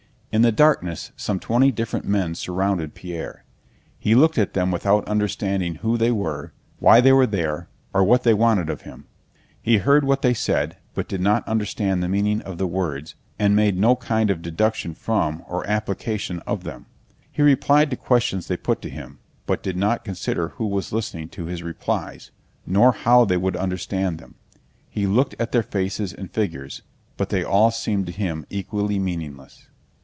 In the darkness some twenty different men surrounded Pierre. He looked at them without understanding who they were, why they were there, or what they wanted of him. He heard what they said, but did not understand the meaning of the words and made no kind of deduction from or application of them. He replied to questions they put to him, but did not consider who was listening to his replies, nor how they would understand them. He looked at their faces and figures, but they all seemed to him equally meaningless.